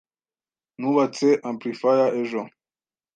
Nubatse amplifier ejo.